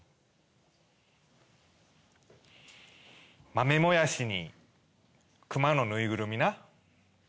豆もやしにクマのぬいぐるみな。